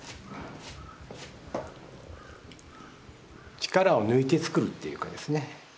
力を抜いて作るというかですね。